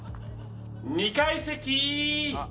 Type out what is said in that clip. ２階席！